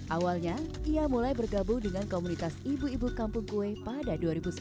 awalnya ia mulai bergabung dengan komunitas ibu ibu kampung kue pada dua ribu sepuluh